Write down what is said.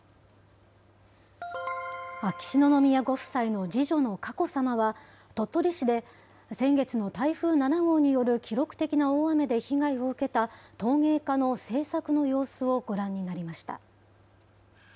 秋篠宮ご夫妻の次女の佳子さまは、鳥取市で、先月の台風７号による記録的な大雨で被害を受けた陶芸家の制作の様子をご覧になりました。